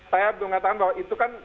saya mengatakan bahwa itu kan